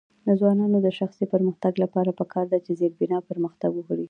د ځوانانو د شخصي پرمختګ لپاره پکار ده چې زیربنا پرمختګ ورکړي.